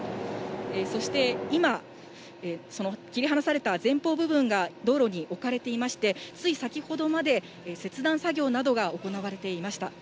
そして今、その切り離された前方部分が、道路に置かれていまして、つい先ほどまで、切断作業などが行われていました。